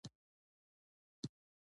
پوخ انسان ژر نه قهرېږي